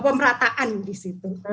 pemerataan di situ